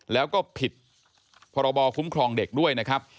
แล้วก็ผิดพรบคุ้มครองเด็กด้วยนะครับ